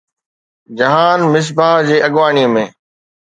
جهان مصباح جي اڳواڻي ۾